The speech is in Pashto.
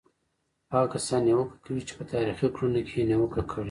هغه کسان نیوکه کوي چې په تاریخي کړنو کې یې نیوکه کړې.